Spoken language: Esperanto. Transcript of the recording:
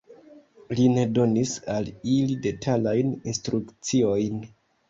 Li ne donis al ili detalajn instrukciojn.